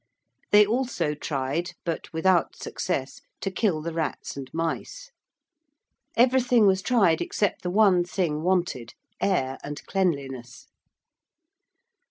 They also tried, but without success, to kill the rats and mice. Everything was tried except the one thing wanted air and cleanliness.